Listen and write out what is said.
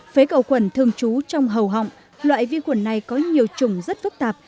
phế cầu quẩn thường trú trong hầu họng loại vi khuẩn này có nhiều chủng rất phức tạp